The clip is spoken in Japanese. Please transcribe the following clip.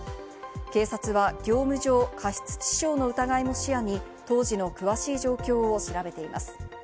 警察は業務上過失致傷の疑いも視野に当時の詳しい状況を調べています。